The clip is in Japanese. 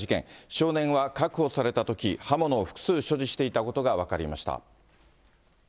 少年は確保されたとき、刃物を複数所持していたことが分かりました。